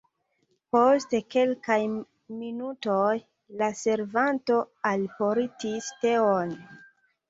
Post kelkaj minutoj la servanto alportis teon.